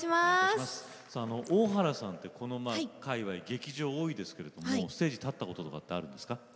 さあ大原さんってこの界わい劇場多いですけれどもステージ立ったこととかってあるんですか？